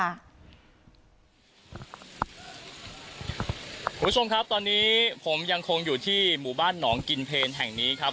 คุณผู้ชมครับตอนนี้ผมยังคงอยู่ที่หมู่บ้านหนองกินเพลแห่งนี้ครับ